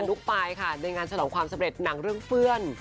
ทุกปลายค่ะในงานฉลองความสำเร็จหนังเรื่องเพื่อน